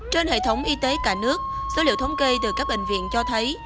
trên hệ thống y tế cả nước số liệu thống kê từ các bệnh viện cho thấy